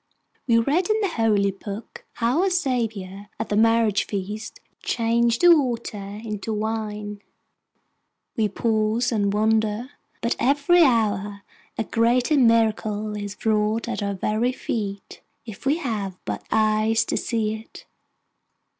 We read in the Holy Book how our Saviour, at the marriage feast, changed the water into wine; we pause and wonder; but every hour a greater miracle is wrought at our very feet, if we have but eyes to see it.